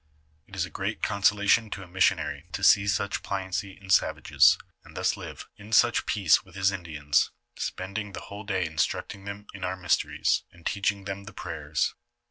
It is a great consolation to a missionary to see such pliancy in savages, and thus live in such peace with his Indians, spending the whole day in instructing them in our mysteries, and teaching them the prayers.